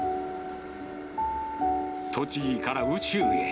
栃木から宇宙へ。